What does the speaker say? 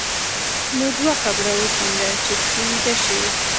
نو دوه قبره وکینده چې په کې ویده شې.